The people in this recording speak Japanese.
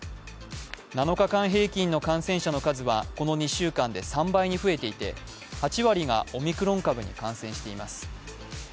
７日間平均の感染者の数はこの２週間で３倍に増えていて８割がオミクロン株に感染しています。